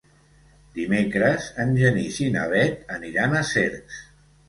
Dimecres en Genís i na Bet aniran a Cercs.